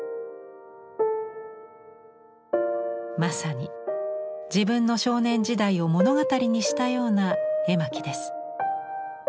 まさに自分の少年時代を物語にしたような絵巻です。